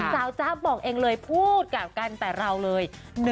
จ๊ะบอกเองเลยพูดกับกันแต่เราเลย